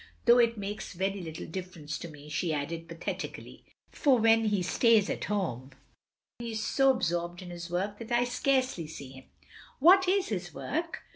"Though it makes very little difference to me," she added patheti cally, " for when he stays at home he is so absorbed in his work that I scarcely see him. " "What is his work?"